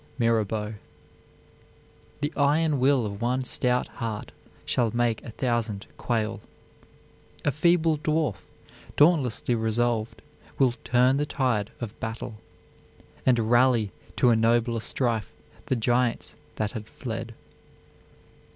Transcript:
MIRABEAU. The iron will of one stout heart shall make a thousand quail: A feeble dwarf, dauntlessly resolved, will turn the tide of battle, And rally to a nobler strife the giants that had fled.